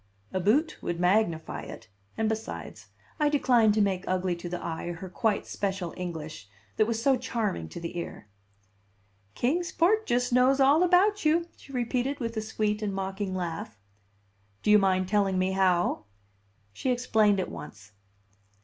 "Aboot" would magnify it; and besides, I decline to make ugly to the eye her quite special English, that was so charming to the ear. "Kings Port just knows all about you," she repeated with a sweet and mocking laugh. "Do you mind telling me how?" She explained at once.